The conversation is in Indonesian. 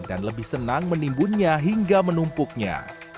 dan lebih senang menimbunnya